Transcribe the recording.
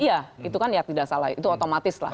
iya itu kan ya tidak salah itu otomatis lah